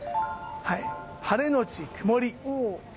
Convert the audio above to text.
晴れのち曇り。